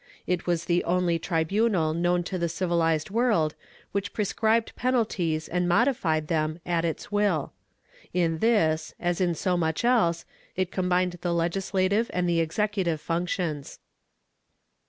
It was the only tribunal known to the civihzed world which prescribed penalties and modified them at its will. In this, as in so much else, it combined the legislative and the executive functions.